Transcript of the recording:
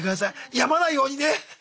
病まないようにね。